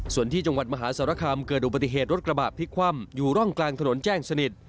ส่วนที่จังหวัดมหาสารคามเกิดอุบัติเหตุรถกระบะพลิกคว่ำอยู่ร่องกลางถนนแจ้งสนิท